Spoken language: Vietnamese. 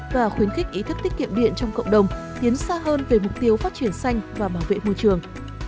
và khuyến khích ý thức tiết kiệm điện trong cộng đồng tiến xa hơn về mục tiêu phát triển xanh và bảo vệ môi trường